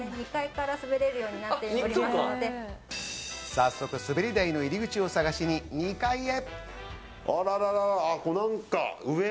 早速すべり台の入り口を探しに２階へ。